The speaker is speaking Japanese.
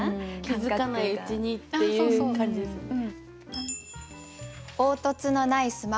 気付かないうちにっていう感じですよね。